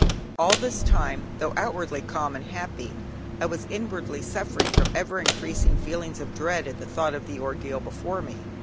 All this time, though outwardly calm and happy, I was inwardly suffering from ever increasing feelings of dread at the thought of the ordeal before me.